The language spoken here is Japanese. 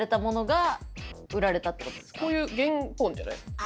こういう原本じゃないですか？